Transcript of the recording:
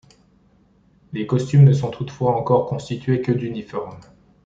Les costumes ne sont toutefois encore constitués que d'uniformes.